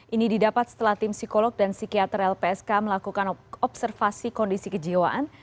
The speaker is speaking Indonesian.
ini didapat setelah tim psikolog dan psikiater lpsk melakukan observasi kondisi kejiwaan